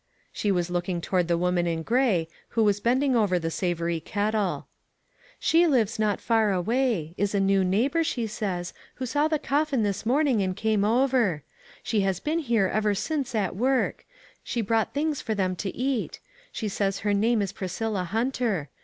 She was looking toward the woman in gray, who was bending over the savory kettle. 2QO ONE COMMONPLACE DAY. "She lives not far away. Is a new neigh bor, she says, who saw the coffin this morn ing, and came over. She has been here ever since at work ; she brought things for them to eat. She says her name is Priscilla Hunter.